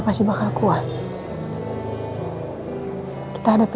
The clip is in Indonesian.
mas aku systems ingin apa